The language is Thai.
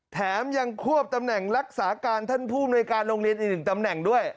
แถมยังควบตำแหน่งรักษาการท่านผู้อำนวยการโรงเรียนอีกหนึ่งตำแหน่งด้วย